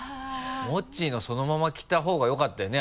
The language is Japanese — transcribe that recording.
もっちーのそのまま着た方がよかったよね？